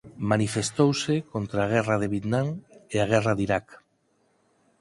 Manifestouse contra a Guerra de Vietnam e a Guerra de Iraq.